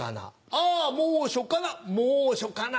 ああ猛暑かな猛暑かな。